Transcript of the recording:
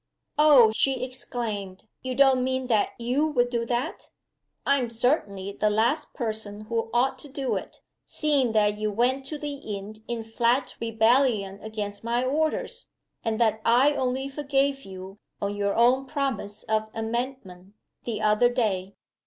"Oh!" she exclaimed. "You don't mean that you would do that?" "I am certainly the last person who ought to do it seeing that you went to the inn in flat rebellion against my orders, and that I only forgave you, on your own promise of amendment, the other day.